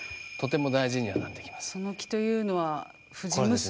「その気」というのは藤娘。